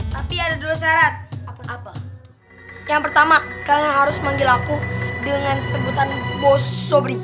tapi ada dua syarat yang pertama kalian harus manggil aku dengan sebutan bos sobri